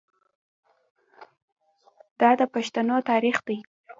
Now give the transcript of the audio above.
دا د پښتنو تاریخ دی.